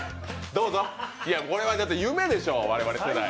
これは夢でしょ、我々世代。